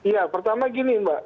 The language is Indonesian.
ya pertama gini mbak